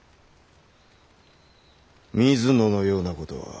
水野のようなことは。